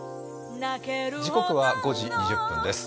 時刻は５時２０分です。